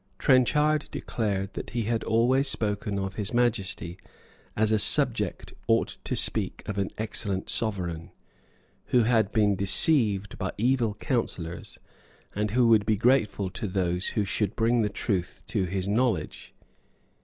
Trenchard declared that he had always spoken of His Majesty as a subject ought to speak of an excellent sovereign, who had been deceived by evil counsellors, and who would be grateful to those who should bring the truth to his knowledge.